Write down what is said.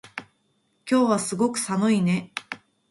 今日はすごく寒いね